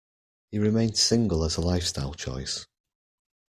He remained single as a lifestyle choice.